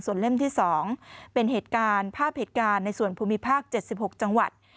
เล่มที่๒เป็นเหตุการณ์ภาพเหตุการณ์ในส่วนภูมิภาค๗๖จังหวัด